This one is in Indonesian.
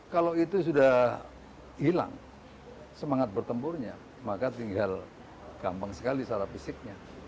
kalau itu sudah hilang semangat bertempurnya maka tinggal gampang sekali secara fisiknya